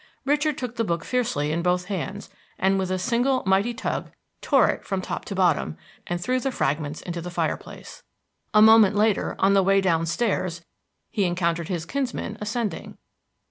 Richard took the book fiercely in both hands, and with a single mighty tug tore it from top to bottom, and threw the fragments into the fire place. A moment later, on the way down stairs, he encountered his kinsman ascending.